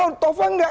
oh tova enggak